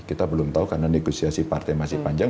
kita belum tahu karena negosiasi partai masih panjang